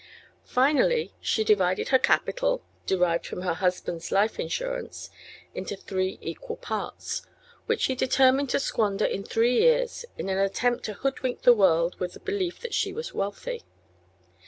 Finally she divided her capital, derived from her husband's life insurance, into three equal parts, which she determined to squander in three years in an attempt to hoodwink the world with the belief that she was wealthy.